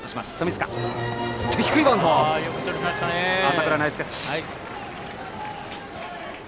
浅倉、ナイスキャッチ！